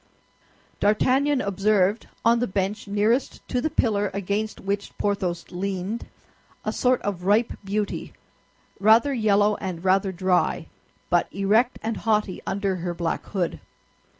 D'Artagnan observed, on the bench nearest to the pillar against which Porthos leaned, a sort of ripe beauty, rather yellow and rather dry, but erect and haughty under her black hood.